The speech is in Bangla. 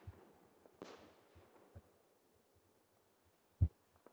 নিজে যা বলছ, তা কি আদৌ নিজের কানে শুনে দেখেছ?